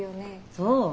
そう？